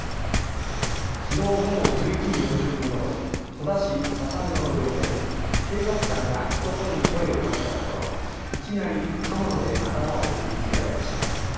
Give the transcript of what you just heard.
きのう午後１１時４０分ごろ、戸田市笹目の路上で警察官が男に声をかけたところいきなり刃物で頭を切りつけられました。